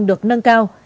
được nâng cao